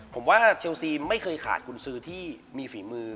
ผมว่าเชลซีไม่เคยขาดกุญสือที่มีฝีมือ